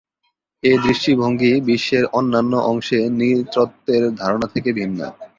এ দৃষ্টিভঙ্গি বিশ্বের অন্যান্য অংশে নৃতত্ত্বের ধারণা থেকে ভিন্ন।